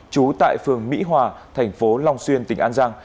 trú tại phường mỹ hòa thành phố long xuyên tỉnh an giang